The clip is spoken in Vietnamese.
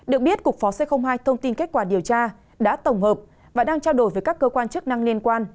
được biết cục phó c hai thông tin kết quả điều tra đã tổng hợp và đang trao đổi với các cơ quan chức năng liên quan